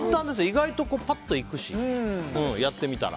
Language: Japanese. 意外と矢もパッといくしやってみたら。